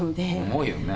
重いよね。